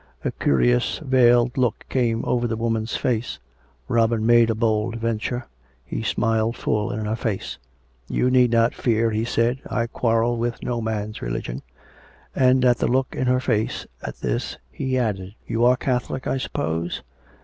A curious veiled look came over the woman's face. Robin made a bold venture. He smiled full in her face. " You need not fear," he said. " I quarrel with no man's religion;" and, at the look in her face at this, he added: " You are a Catholic, I suppose